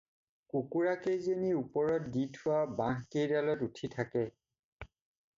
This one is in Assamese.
কুকুৰাকেইজনী ওপৰত দি থোৱা বাঁহকেইডালত উঠি থাকে।